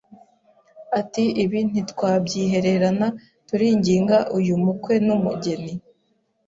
ati ibi ntitwabyihererana turinginga uyu mukwe n’umugeni,